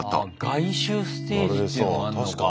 外周ステージっていうのがあんのか。